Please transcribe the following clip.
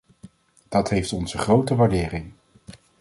Dat heeft onze grote waardering.